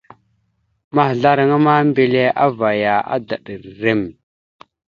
Maazlaraŋa ma, mbelle avvaya, adaɗ rrem.